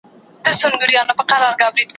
وږی په خوب ټيکۍ ويني.